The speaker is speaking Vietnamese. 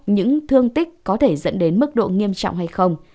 những thương tích có thể dẫn đến mức độ nghiêm trọng hay không